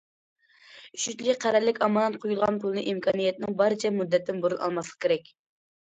ئۈچىنچى، قەرەللىك ئامانەت قويۇلغان پۇلنى ئىمكانىيەتنىڭ بارىچە مۇددەتتىن بۇرۇن ئالماسلىق كېرەك.